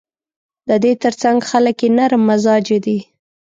د دې ترڅنګ خلک یې نرم مزاجه دي.